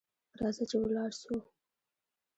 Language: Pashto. راځه چي ولاړ سو .